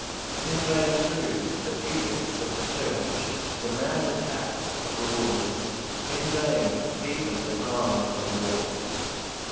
In vain, too, the edicts of the Church, the mad attacks of rulers, in vain even the arm of the law.